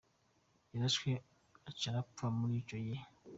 "Yarashwe aca arapfa muri ico gihe.